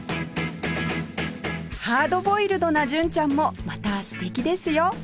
ハードボイルドな純ちゃんもまた素敵ですよ